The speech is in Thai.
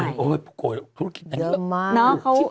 เดิมมาก